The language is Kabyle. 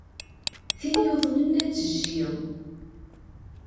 Tin yuḍnen ad tejji.